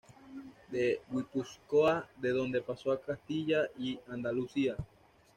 De Guipúzcoa, de donde pasó a Castilla y Andalucía.